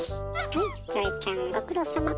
はいキョエちゃんご苦労さま。